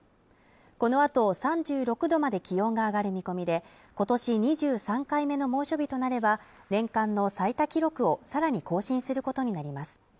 このあと３６度まで気温が上がる見込みで今年２３回目の猛暑日となれば年間の最多記録をさらに更新することになります